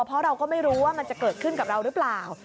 เพราะเราก็ไม่รู้ว่ามันจะเกิดขึ้นกับเราหรือเปล่า